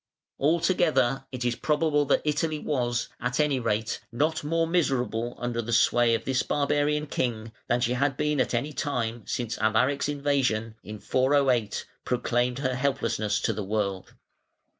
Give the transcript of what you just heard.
Altogether it is probable that Italy was, at any rate, not more miserable under the sway of this barbarian king than she had been at any time since Alaric's invasion, in 408, proclaimed her helplessness to the world.